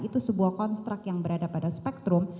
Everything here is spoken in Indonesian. itu sebuah konstrak yang berada pada spektrum